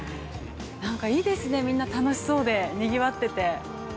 いいですね、みんな楽しそうでにぎわってて。